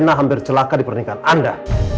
karena hampir celaka di pernikahan anda